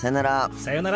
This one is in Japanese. さよなら。